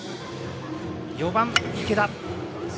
４番、池田。